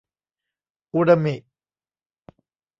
อูรามิ !